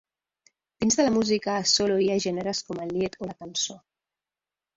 Dins de la música a solo hi ha gèneres com el Lied o la cançó.